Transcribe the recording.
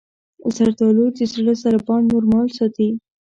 زردالو د زړه ضربان نورمال ساتي.